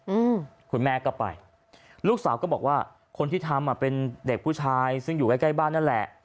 อืมคุณแม่ก็ไปลูกสาวก็บอกว่าคนที่ทำอ่ะเป็นเด็กผู้ชายซึ่งอยู่ใกล้ใกล้บ้านนั่นแหละ